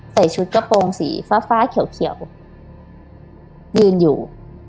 ใส่ชุดกระโปรงสีฟ้าฟ้าเขียวยืนอยู่